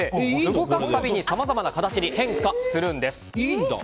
動かすたびにさまざまな形に変化するんです。